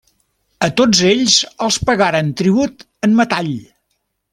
A tots ells els pagaren tribut en metall.